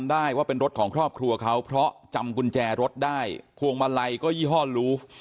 ได้ว่าเป็นรถของครอบครัวเขาเพราะจำกุญแจรถได้พวงมาลัยก็ยี่ห้อลูฟ